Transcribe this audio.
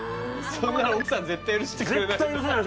そんなの奥さん絶対許してくれない絶対許さない